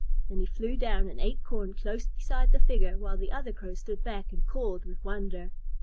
Then he flew down, and ate corn close beside the figure, while the other Crows stood back and cawed with wonder.